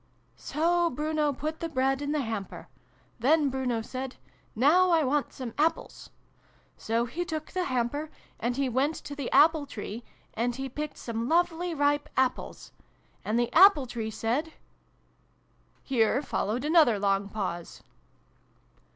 "" So Bruno put the Bread in the hamper. Then Bruno said ' Now I want some Apples !' So he took the hamper, and he went to the Apple Tree, and he picked some lovely ripe Apples. And the Apple Tree said" Here followed another long pause.